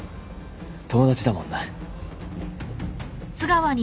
友達だもんな。